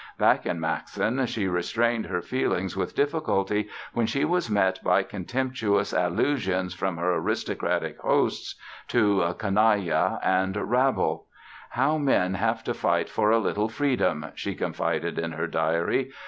Back in Maxen she restrained her feelings with difficulty when she was met by contemptuous allusions from her aristocratic hosts to "canaille" and "rabble". "How men have to fight for a little freedom!" she confided in her diary.